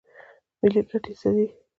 ملي ګټې څه دي؟